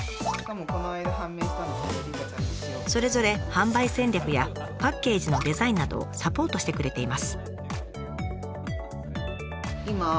それぞれ販売戦略やパッケージのデザインなどをサポートしてくれています。